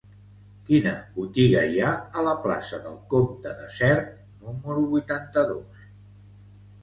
Quina botiga hi ha a la plaça del Comte de Sert número vuitanta-dos?